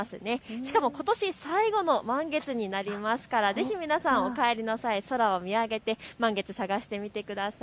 しかもことし最後の満月になりますから、ぜひ皆さんお帰りの際、空を見上げて満月探してみてください。